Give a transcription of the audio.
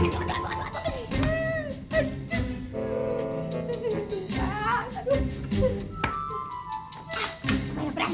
tidak mungkin ada yang tahu